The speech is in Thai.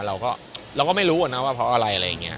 เราก็เราก็ไม่รู้นะว่าเพราะอะไรอะไรอย่างนี้